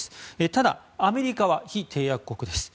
ただ、アメリカは非締約国です。